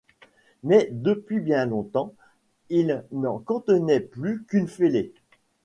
Mais depuis bien longtemps il n'en contenait plus qu'une, fêlée.